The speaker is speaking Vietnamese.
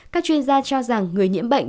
các chuyên gia cho rằng người nhiễm bệnh